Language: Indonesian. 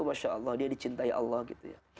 masya allah dia dicintai allah gitu ya